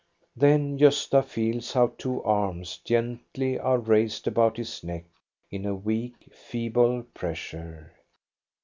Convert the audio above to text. Then Gosta feels how two arms gently are raised about his neck in a weak, feeble pressure.